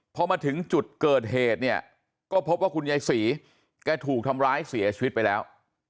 พอมาถึงจุดเกิดเหตุเนี่ยก็พบว่าคุณยายศรีแกถูกทำร้ายเสียชีวิตไปแล้ว